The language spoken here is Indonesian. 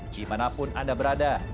dimanapun anda berada